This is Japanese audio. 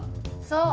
そう。